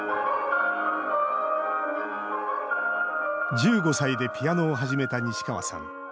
１５歳でピアノを始めた西川さん。